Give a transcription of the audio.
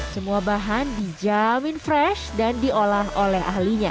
semua bahan dijamin fresh dan diolah oleh ahlinya